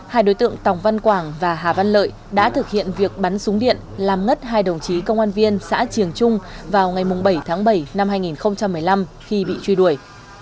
hai đối tượng tòng văn quảng và hà văn lợi đã thực hiện việc bắn súng điện làm ngất hai đồng chí công an viên xã triềng trung vào ngày bảy tháng bảy năm hai nghìn một mươi năm khi bị truy đuổi